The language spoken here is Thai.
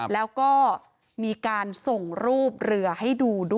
แล้วก็มีการส่งรูปเรือให้ดูด้วย